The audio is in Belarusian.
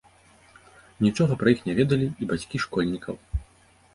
Нічога пра іх не ведалі і бацькі школьнікаў.